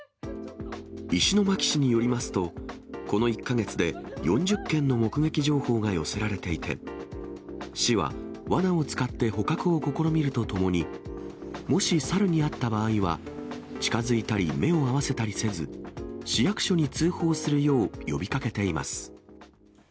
石巻市によりますと、この１か月で４０件の目撃情報が寄せられていて、市は、わなを使って捕獲を試みるとともに、もしサルに会った場合は、近づいたり目を合わせたりせず、市役所に通報するよう呼びかけています。